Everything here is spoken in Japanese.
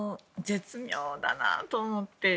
絶妙だなと思って。